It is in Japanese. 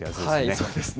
そうですね。